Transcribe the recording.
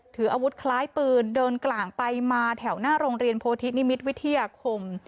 ถืออาวุธคล้ายปืนเดินกลางไปมาแถวหน้าโรงเรียนโพธินิมิตรวิทยาคม